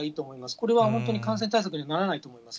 これは本当に感染対策にならないと思います。